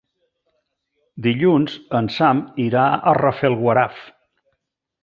Dilluns en Sam irà a Rafelguaraf.